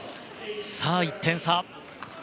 さあ、１点差。